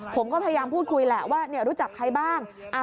ผมก็พยายามพูดคุยแหละว่ารู้จักใครบ้าง